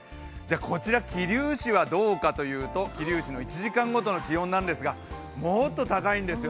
こちら桐生市はどうかというと桐生市の１時間ごとの気温ですがもっと高いんですよ。